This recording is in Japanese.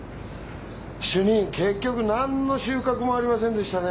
主任結局何の収穫もありませんでしたね。